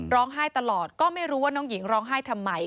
ร้องไห้ตลอดก็ไม่รู้ว่าน้องหญิงร้องไห้ทำไม